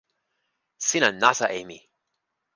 sina nasa e mi.